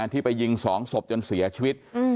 ที่ไปยิง๒ศพจนเสียชีวิต